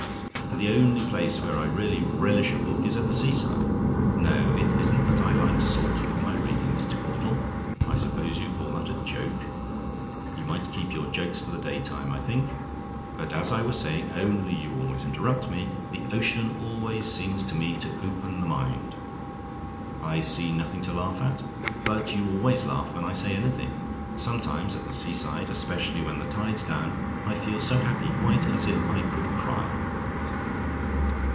for the only place where I really relish a book is at the sea side. No; it isn't that I like salt with my reading, Mr. Caudle! I suppose you call that a joke? You might keep your jokes for the daytime, I think. But as I was saying only you always will interrupt me the ocean always seems to me to open the mind. I see nothing to laugh at; but you always laugh when I say anything. Sometimes at the sea side especially when the tide's down I feel so happy: quite as if I could cry.